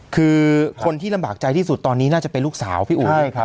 คือคนที่ลำบากใจที่สุดตอนนี้น่าจะเป็นลูกสาวพี่อุ๋ย